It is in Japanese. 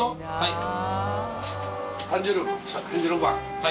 はい。